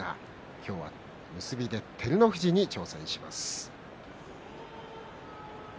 今日は結びで照ノ富士に挑戦します。